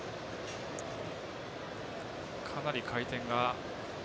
かなり回転が。